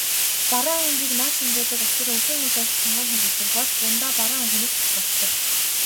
Бараан өнгийг нар шингээдэг учир өвлийн улиралд сонгон хэрэглэдэг бол зундаа бараан өнгөнөөс татгалздаг.